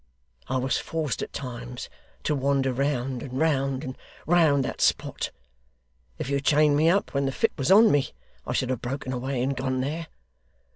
I was forced at times to wander round, and round, and round that spot. If you had chained me up when the fit was on me, I should have broken away, and gone there.